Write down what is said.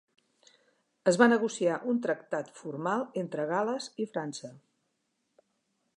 Es va negociar un tractat formal entre Gales i França.